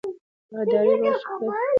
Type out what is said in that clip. ادارې باید شفافې وي